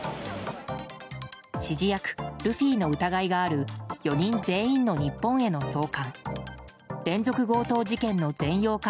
指示役ルフィの疑いがある４人全員の日本への送還。